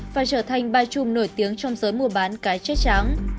và trở thành ba chùm nổi tiếng trong giới mua bán cái chết trắng